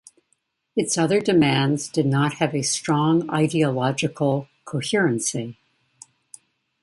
Its other demands did not have a strong ideological coherency.